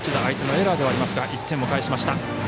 相手のエラーではありますが１点を返しました。